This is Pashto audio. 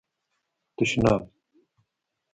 🚾 تشناب